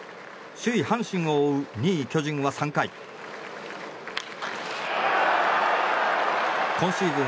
首位、阪神を追う２位、巨人は３回今シーズン